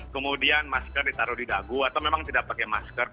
kemudian masker ditaruh di dagu atau memang tidak pakai masker